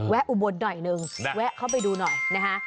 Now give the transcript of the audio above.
อุบลหน่อยนึงแวะเข้าไปดูหน่อยนะคะ